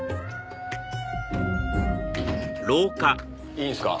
いいんすか？